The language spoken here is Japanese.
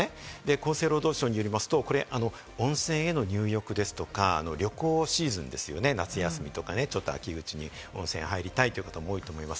厚生労働省によりますとこれ、温泉への入浴ですとか、旅行シーズンですね、夏休みとか秋口に温泉に入りたいという方も多いと思います。